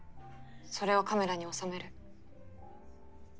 それをカメラに収める。